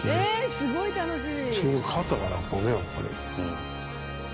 すごい楽しみ。